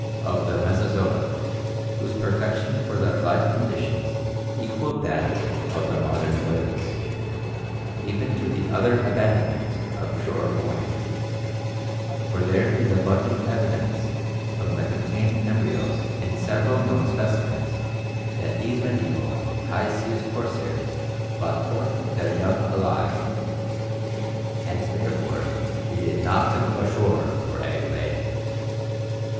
6a) of the Mesozoic whose perfection for their life con ditions equalled that of the modern whales, even to the utter abandonment of shore going, for there is abundant evidence from the contained em bryos in several known specimens that these medieval high seas corsairs brought forth their young alive and therefore needed not to go ashore for egg ' laying.